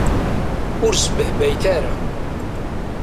Ur sbehbayet ara.